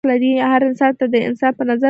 هر انسان ته د انسان په نظر ګوره